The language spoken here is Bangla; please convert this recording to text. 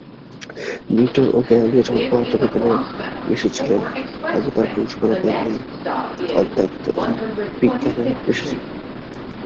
নিউটন ও গ্যালিলিও যেমন পদার্থবিজ্ঞানের ঋষি ছিলেন, অবতারপুরুষগণও তেমনি অধ্যাত্মবিজ্ঞানের ঋষি।